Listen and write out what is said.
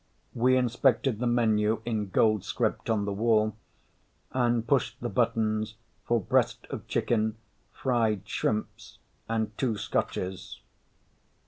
We inspected the menu in gold script on the wall and pushed the buttons for breast of chicken, fried shrimps and two scotches.